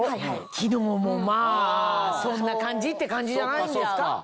機能もまぁそんな感じって感じじゃないんですか？